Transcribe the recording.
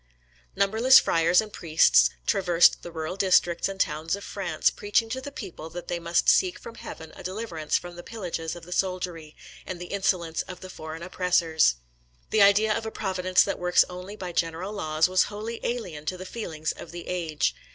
Numberless friars and priests traversed the rural districts and towns of France, preaching to the people that they must seek from Heaven a deliverance from the pillages of the soldiery, and the insolence of the foreign oppressors. [See, Sismondi vol. xiii. p. 114; Michelet, vol. v. Livre x.] The idea of a Providence that works only by general laws was wholly alien to the feelings of the age.